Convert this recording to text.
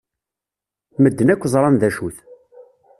Medden akk ẓran d acu-t.